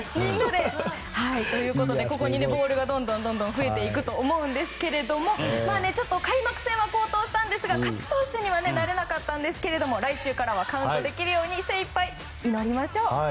ここにボールがどんどん増えていくと思うんですけれどもちょっと開幕戦は好投したんですが勝ち投手にはなれなかったんですけども来週からはカウントできるように精いっぱい祈りましょう。